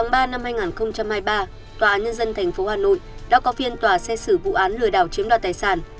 ngày một mươi một tháng ba năm hai nghìn hai mươi ba tòa án nhân dân tp hà nội đã có phiên tòa xét xử vụ án lừa đảo chiếm đoàn tài sản